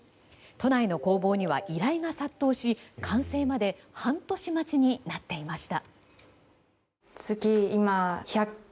都内の工房には依頼が殺到し完成まで半年待ちになっていました。